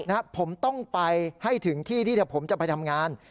นะครับผมต้องไปให้ถึงที่ที่เดี๋ยวผมจะไปทำงาน